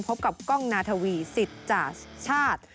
พบกับก้องนาทวีสิตจ่าชาติ